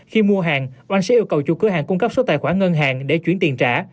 khi mua hàng oanh sẽ yêu cầu chủ cửa hàng cung cấp số tài khoản ngân hàng để chuyển tiền trả